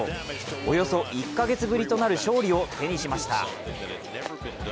およそ１か月ぶりとなる勝利を手にしました。